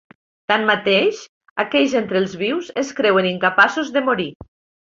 Tanmateix, aquells entre els vius es creuen incapaços de morir.